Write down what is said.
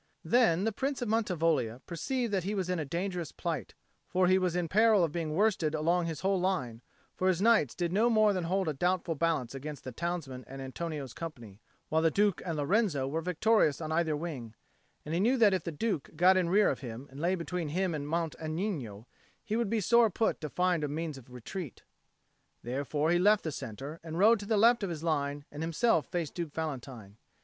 Then the Prince of Mantivoglia perceived that he was in a dangerous plight, for he was in peril of being worsted along his whole line; for his knights did no more than hold a doubtful balance against the townsmen and Antonio's company, while the Duke and Lorenzo were victorious on either wing; and he knew that if the Duke got in rear of him and lay between him and Mount Agnino, he would be sore put to it to find a means of retreat. Therefore he left the centre and rode to the left of his line and himself faced Duke Valentine.